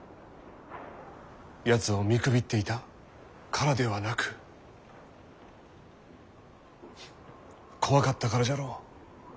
やつを見くびっていたからではなくフ怖かったからじゃろう。